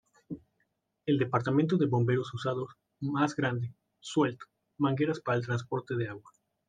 El departamento de bomberos usados más grande, suelto, mangueras para el transporte de agua.